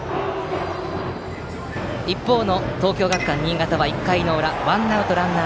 一方の東京学館新潟は１回の裏ワンアウトランナー